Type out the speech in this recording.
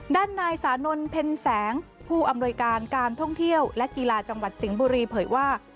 ด้านนายสานนท์เพ็ญแสงผู้อำนวยการการท่องเที่ยวและกีฬาจังหวัดสิงห์บุรีเผยว่า